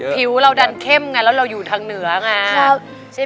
ผิวเราดันเข้มไงแล้วเราอยู่ทางเหนือไง